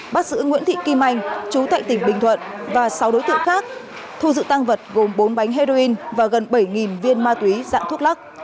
bắt giữ nguyễn thị kim anh chú tại tỉnh bình thuận và sáu đối tượng khác thu giữ tăng vật gồm bốn bánh heroin và gần bảy viên ma túy dạng thuốc lắc